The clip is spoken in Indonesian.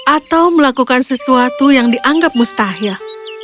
atau melakukan sesuatu yang dianggap mustahil